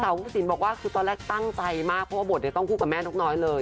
ผู้สินบอกว่าคือตอนแรกตั้งใจมากเพราะว่าบทต้องคู่กับแม่นกน้อยเลย